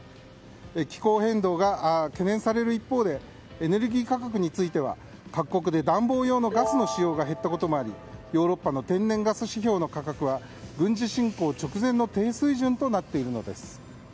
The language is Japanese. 気候変動が懸念される一方でエネルギー価格については各国で暖房用のガスの使用が減ったこともあり、ヨーロッパの天然ガス指標の価格は軍事侵攻直前の低水準となっているのです。